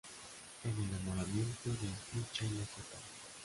El enamoramiento de Michel es total.